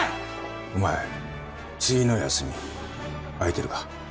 お前次の休み空いてるか？